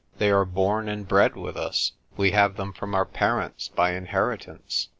They are born and bred with us, we have them from our parents by inheritance.